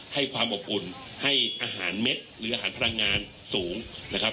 ให้ความอบอุ่นให้อาหารเม็ดหรืออาหารพลังงานสูงนะครับ